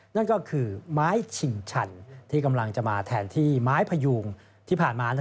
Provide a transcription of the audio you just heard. นั่นก็คือไม้ชิงชันที่กำลังจะมาแทนที่ไม้พยูงที่ผ่านมา